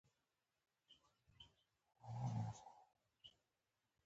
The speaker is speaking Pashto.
د مور دعا هم له ما سره وي.